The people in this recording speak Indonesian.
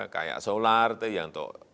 kayak solar itu yang